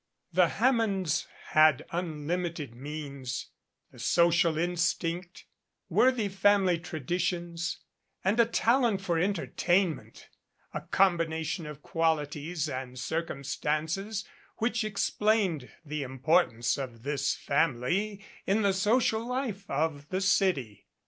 The Hammonds had unlimited means, the social instinct, worthy family traditions, and a talent for entertainment, a combina tion of qualities and circumstances which explained the importance of this family in the social life of the city.